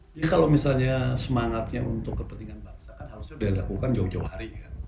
jadi kalau misalnya semangatnya untuk kepentingan bangsa kan harusnya dilakukan jauh jauh hari kan